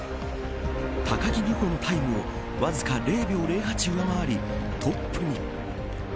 高木美帆のタイムをわずか０秒０８上回りトップに。